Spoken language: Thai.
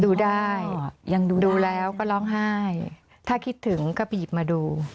ดูได้ยังดูแล้วก็ร้องไห้ถ้าคิดถึงก็ไปหยิบมาดู